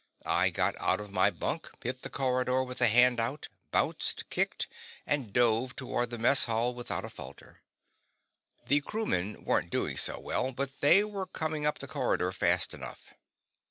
I got out of my bunk, hit the corridor with a hand out, bounced, kicked, and dove toward the mess hall without a falter. The crewmen weren't doing so well but they were coming up the corridor fast enough.